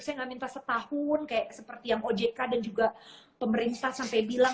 saya nggak minta setahun seperti yang ojk dan juga pemerintah sampai bilang